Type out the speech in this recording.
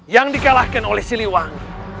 yang dikalahkan oleh siliwangi